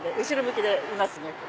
後ろ向きでいますね。